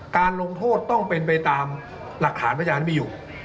การลงโทษต้องเป็นไปตามหลักฐานพยานมีอยู่